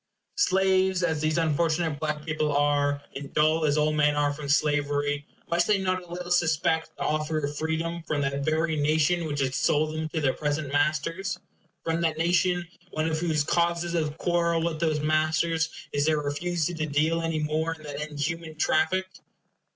Slaves as these unfortunate black people are, and dull as all men are from slavery, must they not a little suspect the offer of freedom from that very nation which has sold them to their present masters? from that nation, one of whose causes of quarrel with those masters is their refusal to deal any more in that inhuman traffic?